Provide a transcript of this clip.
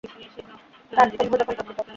তার স্তম্ভ তখন প্রোথিত।